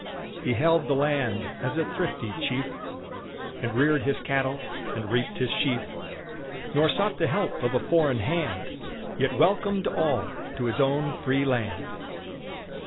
He held the land as a thrifty chief, And reared his cattle, and reaped his sheaf, Nor sought the help of a foreign hand, Yet welcomed all to his own free land!